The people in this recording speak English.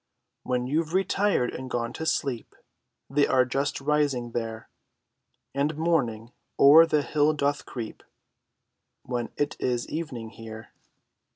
When you've retired and gone to sleep, They are just rising there; And morning o'er the hill doth creep When it is evening here.